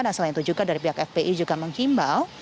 dan selain itu juga dari pihak fpi juga menghimbau